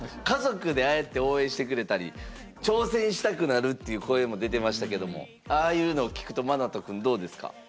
家族でああやって応援してくれたり挑戦したくなるっていう声も出てましたけどもああいうの聞くとＭＡＮＡＴＯくんどうですか？